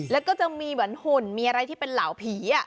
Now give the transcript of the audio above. แล้วก็จะมีเหมือนหุ่นมีอะไรที่เป็นเหล่าผี